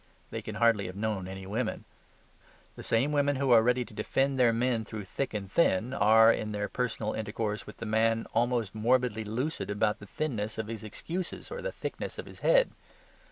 They can hardly have known any women. The same women who are ready to defend their men through thick and thin are (in their personal intercourse with the man) almost morbidly lucid about the thinness of his excuses or the thickness of his head.